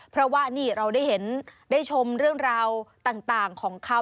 เพราะว่านี่เราได้เห็นได้ชมเรื่องราวต่างของเขา